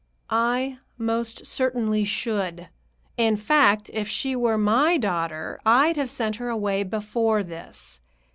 "I most certainly should. In fact, if she were my daughter, I'd have sent her away before this.